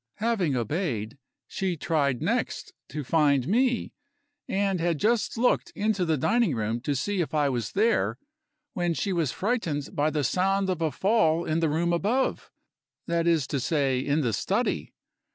Having obeyed, she tried next to find me, and had just looked into the dining room to see if I was there, when she was frightened by the sound of a fall in the room above that is to say, in the study.